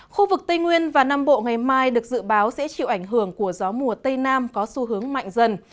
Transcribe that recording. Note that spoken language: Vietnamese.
khu vực tây nguyên và nam bộ ngày mai được dự báo sẽ chịu ảnh hưởng của gió mùa tây nam có xu hướng mạnh dần